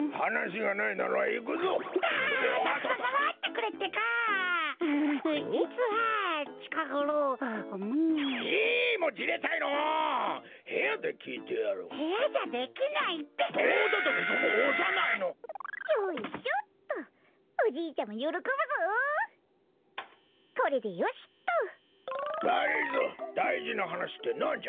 がりぞーだいじなはなしってなんじゃ？